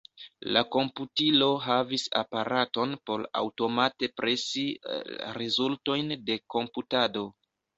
La komputilo havis aparaton por aŭtomate presi rezultojn de komputado.